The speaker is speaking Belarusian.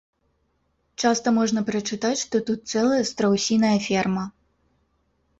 Часта можна прачытаць, што тут цэлая страусіная ферма.